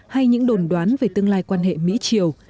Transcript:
hay những đồn đoán về tương lai quan hệ mỹ triều